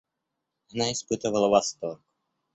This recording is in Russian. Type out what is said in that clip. Она испытывала восторг.